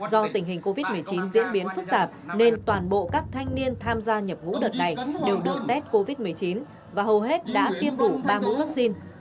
do tình hình covid một mươi chín diễn biến phức tạp nên toàn bộ các thanh niên tham gia nhập ngũ đợt này đều được test covid một mươi chín và hầu hết đã tiêm đủ ba mẫu vaccine